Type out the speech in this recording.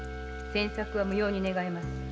・詮索は無用に願います。